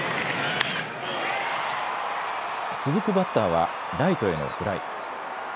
続くバッターはライトへのフライ。